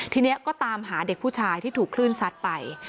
ทีนี้ก็ตามหาเด็กผู้ชายที่ถูกคลื่นซัดไป